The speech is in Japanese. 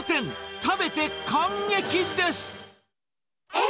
食べて感激です。